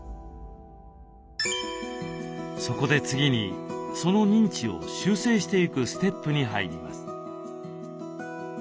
そこで次にその認知を修正していくステップに入ります。